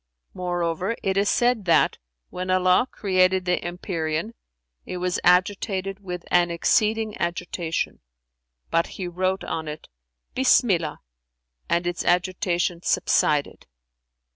Moreover, it is said that, when Allah created the empyrean, it was agitated with an exceeding agitation; but He wrote on it, 'Bismillah' and its agitation subsided.